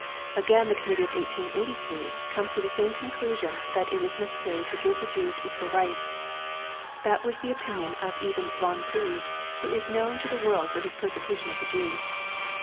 Again, the Committee of 1883 comes to the same conclusion that it is necessary to give the Jews equal rights. That was the opinion even of Von Pleve, who is known to the world for his persecution of the Jews.